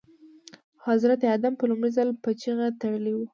حضرت ادم په لومړي ځل په جغ تړلي وو.